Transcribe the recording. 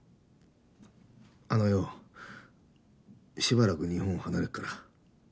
あのよしばらく日本を離れっから。